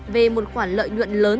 về một khoản lợi nhuận lớn